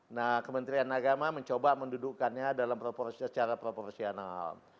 nah kementerian agama mencoba mendudukannya secara proporsional